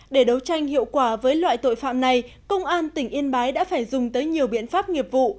để đấu tranh hiệu quả với loại tội phạm này công an tỉnh yên bái đã phải dùng tới nhiều biện pháp nghiệp vụ